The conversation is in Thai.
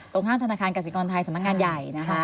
ตรงข้ามธนาคารกสิกรไทยสำนักงานใหญ่นะคะ